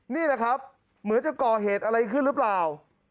นี่แหละครับเหมือนจะก่อเหตุอะไรขึ้นหรือเปล่า